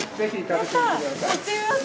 行ってみます。